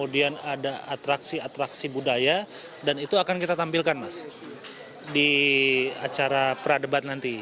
dan ada atraksi atraksi budaya dan itu akan kita tampilkan mas di acara pradebat nanti